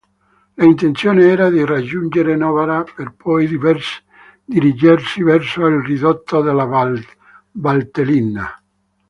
L'intenzione era di raggiungere Novara per poi dirigersi verso il ridotto della Valtellina.